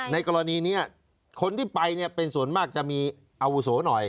ในกรณีนี้คนที่ไปเนี่ยเป็นส่วนมากจะมีอาวุโสหน่อย